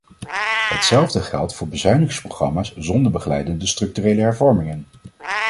Hetzelfde geldt voor bezuinigingsprogramma's zonder begeleidende structurele hervormingen.